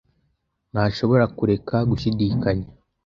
ntashobora kureka gushidikanya.